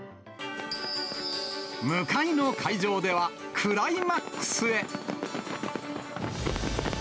向かいの会場ではクライマックスへ。